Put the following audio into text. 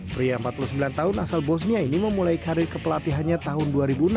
pria empat puluh sembilan tahun asal bosnia ini memulai karir kepelatihannya tahun dua ribu enam